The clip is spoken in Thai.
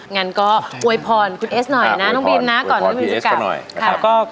งั้นก็โอยพรคุณเอสหน่อยนะน้องบินนะก่อนน้องบินจะกลับโอยพรโอยพรพี่เอสก็หน่อย